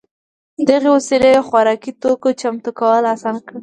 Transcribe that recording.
دغې وسیلې خوراکي توکو چمتو کول اسانه کول